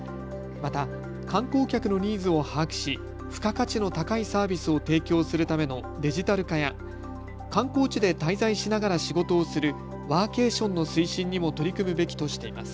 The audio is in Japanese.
また、観光客のニーズを把握し付加価値の高いサービスを提供するためのデジタル化や、観光地で滞在しながら仕事をするワーケーションの推進にも取り組むべきとしています。